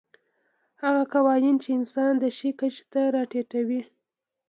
هغه قوانین چې انسان د شي کچې ته راټیټوي.